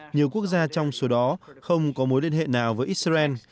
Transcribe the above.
nhiều quốc gia trong số đó không có mối liên hệ nào với israel